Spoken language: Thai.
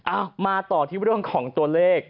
เอามาต่อที่เรื่องของตัวเลข